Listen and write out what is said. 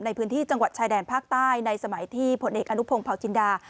ในพื้นที่จังหวัดชายแดนภาคใต้ในสมัยที่ผลเอกอนุพงศ์เผาจินดา